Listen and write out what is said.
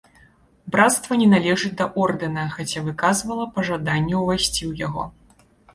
Брацтва не належыць да ордэна, хаця выказвала пажаданне ўвайсці ў яго.